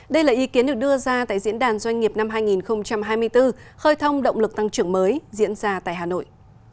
đây là ý kiến được đưa ra tại diễn đàn doanh nghiệp năm hai nghìn hai mươi bốn khơi thông động lực tăng trưởng mới diễn ra tại hà nội